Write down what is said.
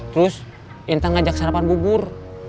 terus intan ngajak sarapan bubur